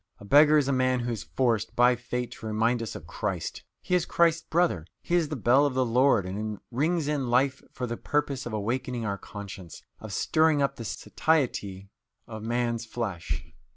A beggar is a man who is forced, by fate, to remind us of Christ; he is Christ's brother; he is the bell of the Lord, and rings in life for the purpose of awakening our conscience, of stirring up the satiety of man's flesh.